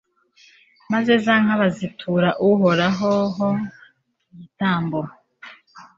maze za nka bazitura uhoraho ho igitambo